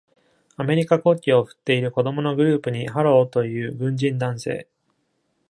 アメリカ国旗を振っている子どものグループに「ハロー」という軍人男性